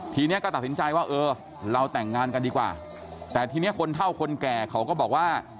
ทีนี้ก็ตัดสินใจว่าเออเราแต่งงานกันดีกว่าแต่ทีนี้คนเท่าคนแก่เขาก็บอกว่า